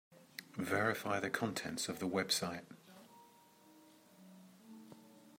Verify the contents of the website.